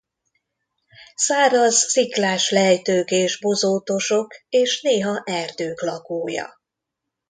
Száraz sziklás lejtők és bozótosok és néha erdők lakója.